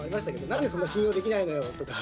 「なんでそんな信用できないのよ！」とか。